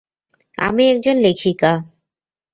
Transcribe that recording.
আমি একজন লেখিকা।